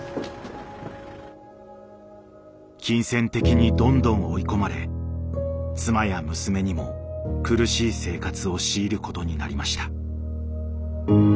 金銭的にどんどん追い込まれ妻や娘にも苦しい生活を強いることになりました。